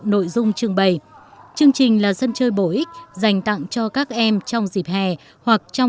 nội dung trưng bày chương trình là sân chơi bổ ích dành tặng cho các em trong dịp hè hoặc trong